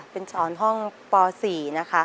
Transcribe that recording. เป็นสอนห้องป๔นะคะ